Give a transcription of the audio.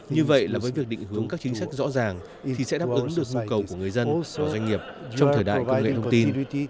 như vậy là với việc định hướng các chính sách rõ ràng thì sẽ đáp ứng được nhu cầu của người dân và doanh nghiệp trong thời đại công nghệ thông tin